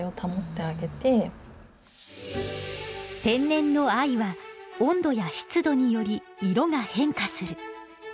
天然の藍は温度や湿度により色が変化する。